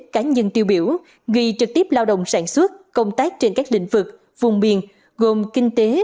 cá nhân tiêu biểu người trực tiếp lao động sản xuất công tác trên các lĩnh vực vùng miền gồm kinh tế